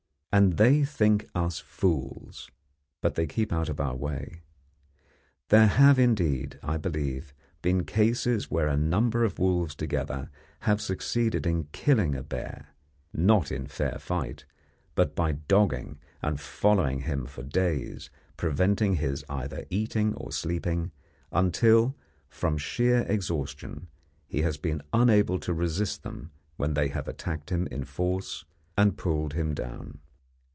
And they think us fools but they keep out of our way. There have indeed, I believe, been cases where a number of wolves together have succeeded in killing a bear not in fair fight, but by dogging and following him for days, preventing his either eating or sleeping, until from sheer exhaustion he has been unable to resist them when they have attacked him in force and pulled him down.